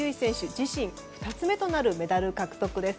自身２つ目となるメダル獲得です。